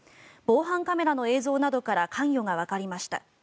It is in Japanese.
防犯カメラの映像などから関与がわかりました。